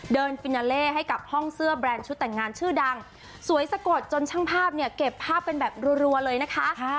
ฟินาเล่ให้กับห้องเสื้อแบรนด์ชุดแต่งงานชื่อดังสวยสะกดจนช่างภาพเนี่ยเก็บภาพกันแบบรัวเลยนะคะ